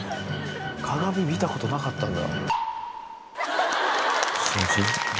鏡見たことなかったんだ。